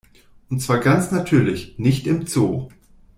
Und zwar ganz natürlich, nicht im Zoo.